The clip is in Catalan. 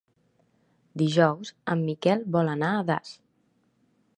Dijous en Miquel vol anar a Das.